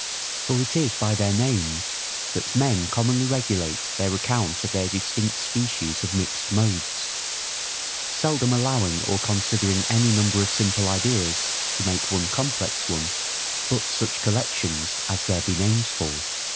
For it is by their names that men commonly regulate their account of their distinct species of mixed modes, seldom allowing or considering any number of simple ideas to make one complex one, but such collections as there be names for.